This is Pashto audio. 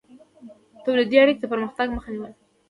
تولیدي اړیکې د پرمختګ مخه نیوله.